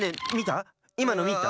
いまのみた？